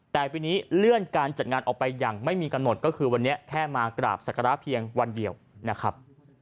แต่ปีนี้เลื่อนการจัดงานออกไปอย่างไม่มีกำหนดก็คือวันนี้แค่มากราบศักระเพียงวันเดียวนะครับ